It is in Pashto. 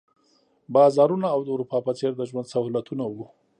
بازارونه او د اروپا په څېر د ژوند سهولتونه وو.